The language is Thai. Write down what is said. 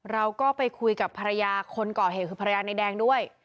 เราก็ไปคุยกับภรรยาคนก่อเหตุคือภรรยาในแดงด้วย